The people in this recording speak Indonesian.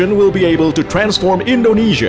akan dapat mengubah indonesia